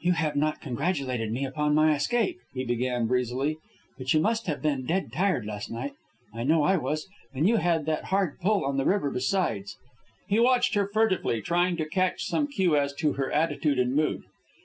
"You have not congratulated me upon my escape," he began, breezily. "But you must have been dead tired last night. I know I was. And you had that hard pull on the river besides." He watched her furtively, trying to catch some cue as to her attitude and mood.